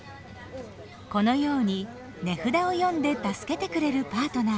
このように値札を読んで助けてくれるパートナー。